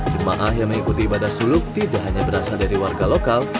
jemaah yang mengikuti ibadah suluk tidak hanya berasal dari warga lokal